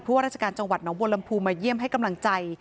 ว่าราชการจังหวัดน้องบัวลำพูมาเยี่ยมให้กำลังใจ